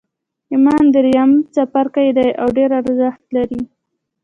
ایمان درېیم څپرکی دی او ډېر ارزښت لري